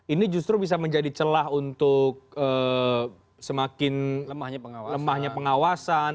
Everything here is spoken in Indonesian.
ini justru bisa menjadi celah untuk semakin lemahnya pengawasan